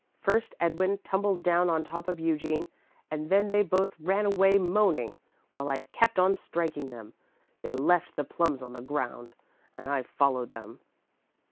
First, Edwin tumbled down on top of Eugene and then they both ran away moaning, while I kept on striking them. They left the plums on the ground and I followed them."